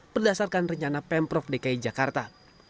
berdasarkan rencana pemprov dki jakarta